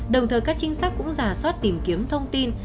đồng thời các chiến sách cũng rà soát tìm kiếm thông tin